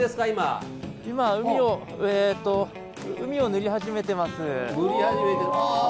今、海を塗り始めています。